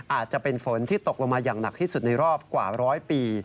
อาจจะเป็นฝนที่ตกลงมาอย่างหนักที่สุดในรอบกว่าร้อยปี